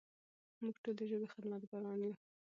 موږ ټول د ژبې خدمتګاران یو.